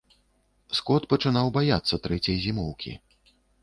Скот пачынаў баяцца трэцяй зімоўкі.